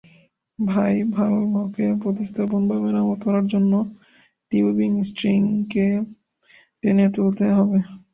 তাই, ভালভকে প্রতিস্থাপন বা মেরামত করার জন্য টিউবিং স্ট্রিংকে টেনে তুলতে হবে।